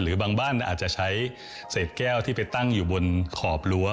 บางบ้านอาจจะใช้เศษแก้วที่ไปตั้งอยู่บนขอบรั้ว